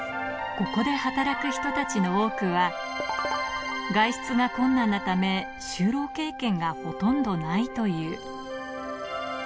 ここで働く人たちの多くは、外出が困難なため、就労経験がほとんどないという。